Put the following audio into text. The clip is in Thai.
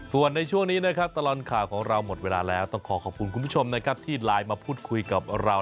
ส่วนในช่วงนี้นะครับตลอดข่าวของเราหมดเวลาแล้วต้องขอขอบคุณคุณผู้ชมนะครับที่ไลน์มาพูดคุยกับเรา